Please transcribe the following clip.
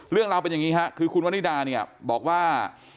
เรื่องราวเป็นอย่างนี้ค่ะคือคุณวนิดาเนี่ยบอกว่า